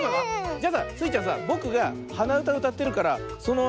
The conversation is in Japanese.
じゃあさスイちゃんさぼくがはなうたうたってるからそのあいだにこれはめて。